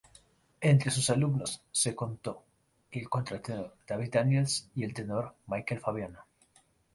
Entre sus alumnos se contó el contratenor David Daniels y el tenor Michael Fabiano.